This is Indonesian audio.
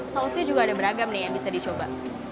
sausnya juga ada beragam nih yang bisa dicoba